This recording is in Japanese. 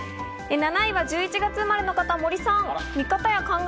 ７位は１１月生まれの方、森さん。